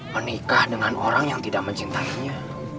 menikah dengan orang yang tidak mencintainya